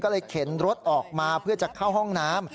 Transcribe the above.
ก็เลยเข็นรถออกมาเพื่อจะเข้าห้องน้ำ